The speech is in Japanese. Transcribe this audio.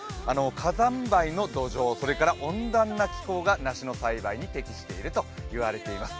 火山灰の土壌、それから温暖な気候が梨の栽培に適しているといわれています。